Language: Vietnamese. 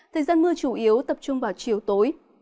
thời gian mưa chủ yếu tập trung vào chiều tối